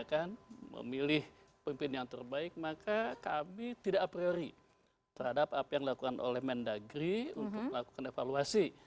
ketika memilih pemimpin yang terbaik maka kami tidak priori terhadap apa yang dilakukan oleh mendagri untuk melakukan evaluasi